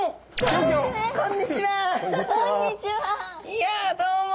いやどうも。